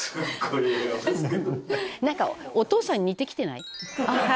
「なんかお父さんに似てきてない？」